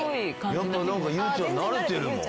やっぱなんかユウちゃん慣れてるもん。